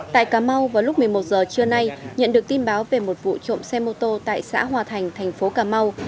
tại cà mau vào lúc một mươi một h trưa nay nhận được tin báo về một vụ trộm xe mô tô tại xã hòa thành thành phố cà mau